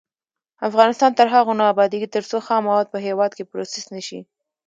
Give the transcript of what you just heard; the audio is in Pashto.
افغانستان تر هغو نه ابادیږي، ترڅو خام مواد په هیواد کې پروسس نشي.